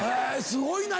すごいな！